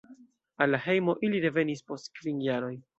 Al la hejmo ili revenis post kvin jaroj.